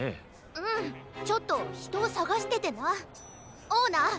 うんちょっとひとをさがしててなオーナー